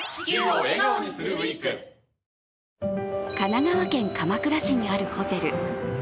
神奈川県鎌倉市にあるホテル。